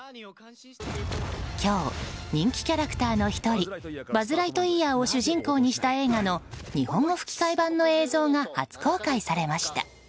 今日、人気キャラクターの１人バズ・ライトイヤーを主人公にした映画の日本語吹き替え版の映像が初公開されました。